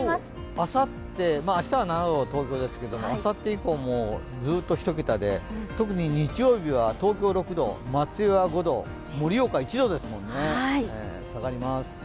あさって、明日は７度、東京ですが、あさって以降もずっと１桁で特に日曜日は東京６度、松江は５度盛岡１度ですもんね、下がります。